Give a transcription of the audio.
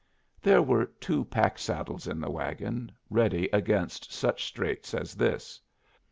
There were two pack saddles in the wagon, ready against such straits as this.